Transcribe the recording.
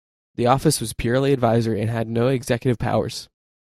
The office was purely advisory and had no executive powers.